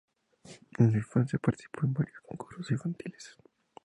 En su infancia participó en varios concursos infantiles.